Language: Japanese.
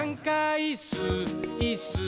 「いっすー！いっすー！